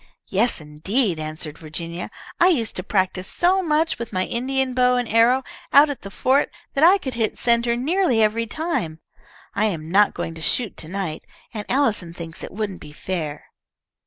"Yes, indeed!" answered Virginia. "I used to practise so much with my Indian bow and arrow out at the fort, that I could hit centre nearly every time. I am not going to shoot to night. Aunt Allison thinks it wouldn't be fair."